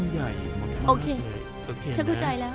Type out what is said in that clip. กูใช้ซอสเหรอแต่เมื่อกี้ผมได้ยินบอกว่า